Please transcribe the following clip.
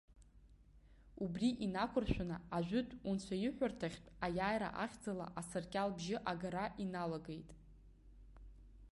Убри инақәыршәаны ажәытә унцәаиҳәарҭахьтә аиааира ахьӡала асаркьал-бжьы агара иналагеит.